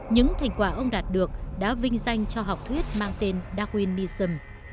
những thành quả ông đạt được đã vinh danh cho học thuyết mang tên darwinism